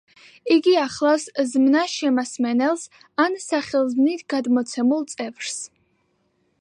იგი ახლავს ზმნა–შემასმენელს ან სახელზმნით გადმოცემულ წევრს.